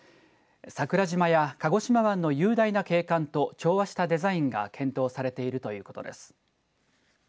桜島や鹿児島湾の雄大な景観と調和したデザインが検討されているということです。